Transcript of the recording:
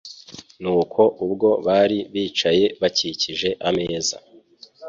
Nuko ubwo bari bicaye bakikije ameza,